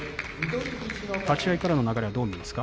立ち合いからの流れはどうですか。